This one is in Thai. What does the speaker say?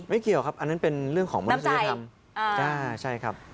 ไม่เกี่ยวครับอันนั้นเป็นเรื่องของบริษัทธรรมน้ำใจอ่าอ่าใช่ครับ